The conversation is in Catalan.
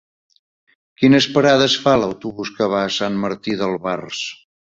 Quines parades fa l'autobús que va a Sant Martí d'Albars?